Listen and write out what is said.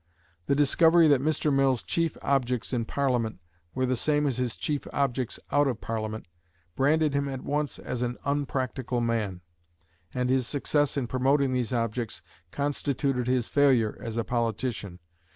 The discovery that Mr. Mill's chief objects in Parliament were the same as his chief objects out of Parliament branded him at once as an unpractical man: and his success in promoting these objects constituted his "failure" as a politician.